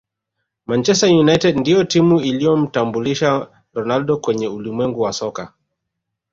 manchester united ndiyo timu iliyomtambulisha ronaldo kwenye ulimwengu wa soka